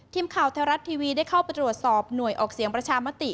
ทีมข่าวไทยรัฐทีวีได้เข้าไปตรวจสอบหน่วยออกเสียงประชามติ